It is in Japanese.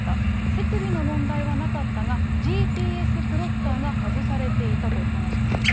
設備の問題はなかったが、ＧＰＳプロッターが外されていたと話しています。